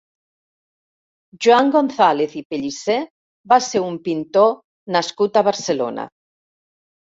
Joan González i Pellicer va ser un pintor nascut a Barcelona.